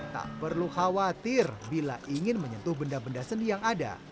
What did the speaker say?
tak perlu khawatir bila ingin menyentuh benda benda seni yang ada